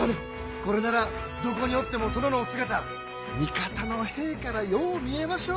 これならどこにおっても殿のお姿味方の兵からよう見えましょう。